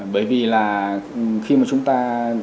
bởi vì là khi mà chúng ta